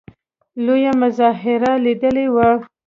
لویه مظاهره لیدلې وه.